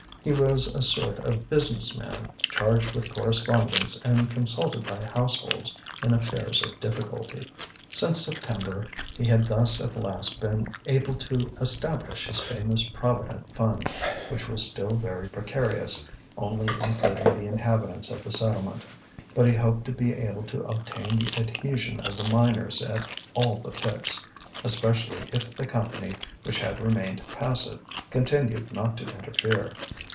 He was a sort of business man, charged with correspondence and consulted by households in affairs of difficulty. Since September he had thus at last been able to establish his famous Provident Fund, which was still very precarious, only including the inhabitants of the settlement; but he hoped to be able to obtain the adhesion of the miners at all the pits, especially if the Company, which had remained passive, continued not to interfere.